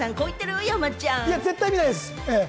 絶対見ないですよ。